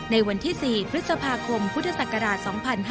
ในวันที่๔พฤษภาคมพุทธศักราช๒๕๕๙